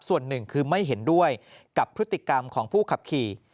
ส่วนหนึ่งคือไม่เห็นด้วยกับพฤติกรรมของผู้ขับขี่